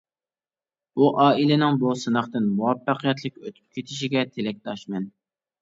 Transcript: بۇ ئائىلىنىڭ بۇ سىناقتىن مۇۋەپپەقىيەتلىك ئۆتۈپ كېتىشىگە تىلەكداشمەن.